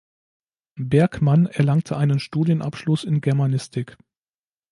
Bergmann erlangte einen Studienabschluss in Germanistik.